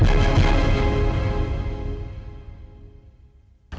masuk masuk masuk